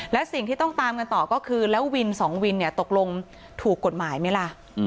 และสิ่งที่ต้องตามกันต่อก็คือแล้ววินสองวินเนี่ยตกลงถูกกฎหมายไหมล่ะ